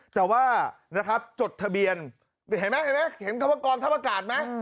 แต่ว่านะครับจดทะเบียนก้อนท้องประกาศไหม